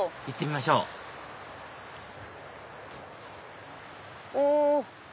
行ってみましょうお！